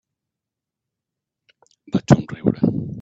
Vaig somriure.